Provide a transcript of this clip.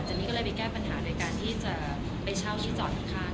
อันนี้ก็เลยไปแก้ปัญหาในการที่จะไปเช่าที่จอดข้าง